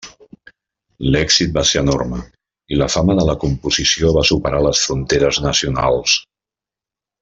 L'èxit va ser enorme i la fama de la composició va superar les fronteres nacionals.